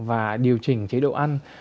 và điều chỉnh chế độ ăn